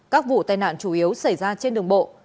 các vụ tai nạn chủ yếu xảy ra trên đường bộ